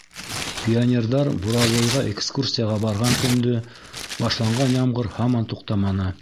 Пионерҙар буровойға экскурсияға барған көндө башланған ямғыр һаман туҡтаманы.